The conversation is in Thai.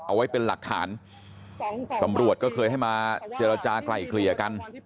เอาไว้เป็นหลักฐานตำรวจก็เคยให้มาเจรจากลายเกลี่ยกัน